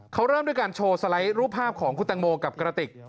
เขาเริ่มด้วยการโชว์สไลด์รูปภาพของคุณตังโมกับกระติก